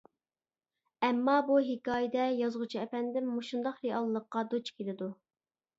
ئەمما بۇ ھېكايىدە يازغۇچى ئەپەندىم مۇشۇنداق رېئاللىققا دۇچ كېلىدۇ.